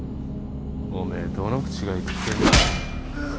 おめえどの口が言ってんだよ。